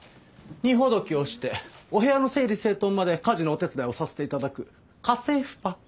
荷ほどきをしてお部屋の整理整頓まで家事のお手伝いをさせて頂く家政婦パック